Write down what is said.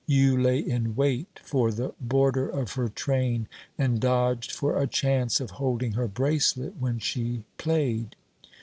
You lay in wait for the border of her train, and dodged for a chance of holding her bracelet when she played.